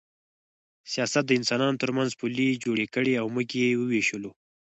سیاست د انسانانو ترمنځ پولې جوړې کړې او موږ یې ووېشلو